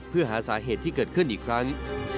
เพื่อหาสาเหตุที่เกิดขึ้นอีกครั้ง